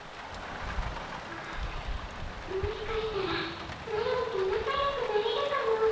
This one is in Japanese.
あもしかしたらマロンと仲よくなれるかも。